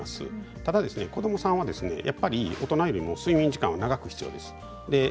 ただ子どもさんはやっぱり大人よりも、睡眠時間が長く必要です。